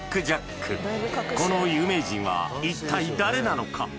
この有名人は一体誰なのか？